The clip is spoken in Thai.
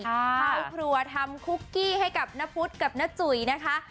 เข้าครัวทำคุกกี้ให้กับนพุทธกับน้าจุ๋ยนะคะ